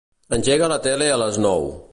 Engega la tele a les nou.